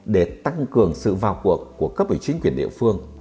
để tăng cường sự vào cuộc của cấp bởi chính quyền địa phương